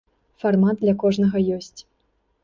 Фармат для кожнага ёсць.